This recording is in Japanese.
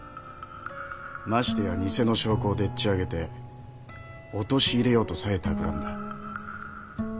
ましてや偽の証拠をでっちあげて陥れようとさえたくらんだ。